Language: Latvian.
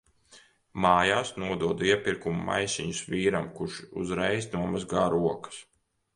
Mājās nododu iepirkumu maisiņus vīram, kurš uzreiz nomazgā rokas.